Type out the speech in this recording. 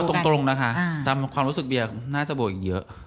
ตรงนะคะตามความรู้สึกเบียร์น่าจะบวกอีกเยอะ